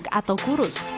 gemuk atau kurus